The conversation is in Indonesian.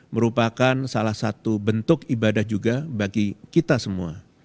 merupakan salah satu bentuk ibadah juga bagi kita semua